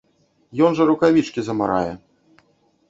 Ён жа рукавічкі замарае!